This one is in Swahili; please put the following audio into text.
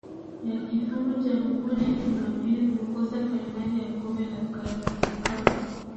ya kifundo cha mguu na hivyo jumapili kuikosa fainali ya kombe la carlin cup